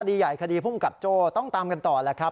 คดีใหญ่คดีภูมิกับโจ้ต้องตามกันต่อแหละครับ